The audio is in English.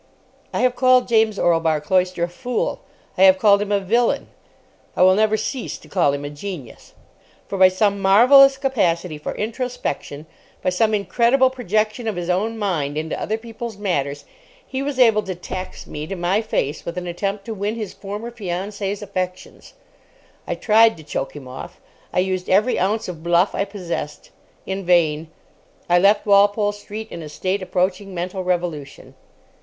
I have called James Orlebar Cloyster a fool; I have called him a villain. I will never cease to call him a genius. For by some marvellous capacity for introspection, by some incredible projection of his own mind into other people's matters, he was able to tax me to my face with an attempt to win his former fiancée's affections. I tried to choke him off. I used every ounce of bluff I possessed. In vain. I left Walpole Street in a state approaching mental revolution.